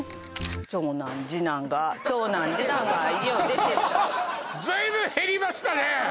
長男次男が長男次男が家を出てったずいぶん減りましたね